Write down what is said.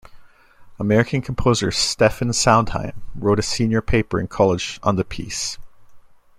American composer Stephen Sondheim wrote a senior paper in college on the piece.